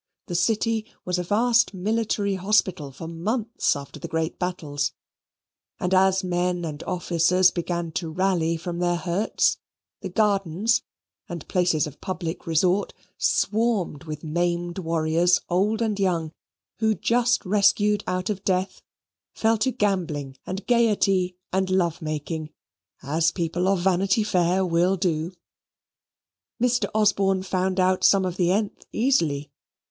The city was a vast military hospital for months after the great battles; and as men and officers began to rally from their hurts, the gardens and places of public resort swarmed with maimed warriors, old and young, who, just rescued out of death, fell to gambling, and gaiety, and love making, as people of Vanity Fair will do. Mr. Osborne found out some of the th easily.